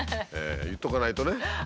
言っとかないとね。